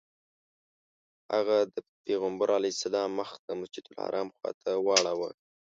هغه د پیغمبر علیه السلام مخ د مسجدالحرام خواته واړوه.